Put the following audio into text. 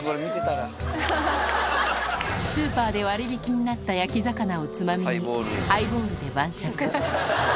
スーパーで割引になった焼き魚をつまみに、ハイボールで晩酌。